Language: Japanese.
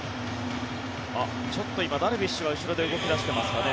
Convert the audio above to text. ちょっと今、ダルビッシュが後ろで動き出してますかね。